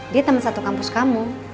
dia teman satu kampus kamu